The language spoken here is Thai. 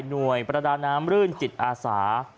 ประดาน้ำรื่นจิตอาสา